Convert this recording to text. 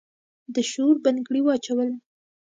د شور بنګړي واچول